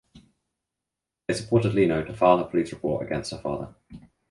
They supported Lino to file her police report against her father.